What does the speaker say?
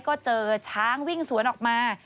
ก็เจอช้างวิ่งสวนออกมา